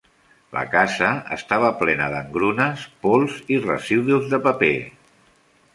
La casa estava plena d'engrunes, pols i residus de paper.